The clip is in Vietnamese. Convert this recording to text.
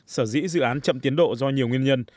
sở dĩ dự án chậm tiến độ do nhiều nguyên nhân